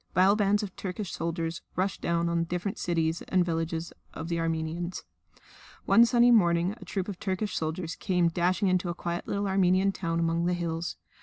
Vile bands of Turkish soldiers rushed down on the different cities and villages of the Armenians. One sunny morning a troop of Turkish soldiers came dashing into a quiet little Armenian town among the hills.